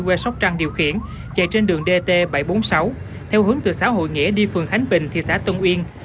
quê sóc trăng điều khiển chạy trên đường dt bảy trăm bốn mươi sáu theo hướng từ xã hội nghĩa đi phường khánh bình thị xã tân uyên